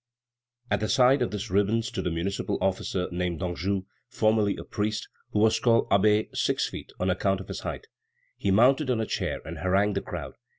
At the side of this ribbon stood a municipal officer named Danjou, formerly a priest, who was called Abbé Six feet, on account of his height. He mounted on a chair and harangued the crowd.